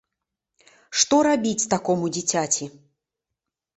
Што рабіць такому дзіцяці?